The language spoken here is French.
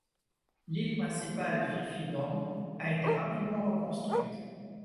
L'île principale Phi Phi Don a été rapidement reconstruite.